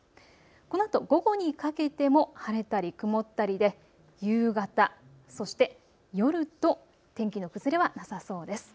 このあと午後にかけても晴れたり曇ったりで夕方、そして夜と天気の崩れはなさそうです。